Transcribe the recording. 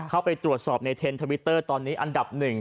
เข้าไปตรวจสอบในเทนทวิตเตอร์ตอนนี้อันดับหนึ่ง